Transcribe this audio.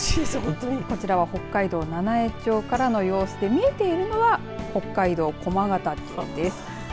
こちらは北海道七飯町からの様子で、見えているのが北海道駒ヶ岳です。